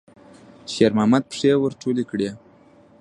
شېرمحمد پښې ور ټولې کړې.